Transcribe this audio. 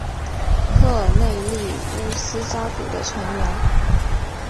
科尔内利乌斯家族的成员。